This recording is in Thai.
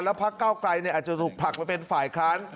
แล้วภักดิ์เก้าไกรเนี่ยอาจจะถูกผลักมาเป็นฝ่ายค้าน